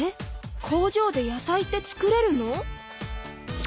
工場で野菜って作れるの？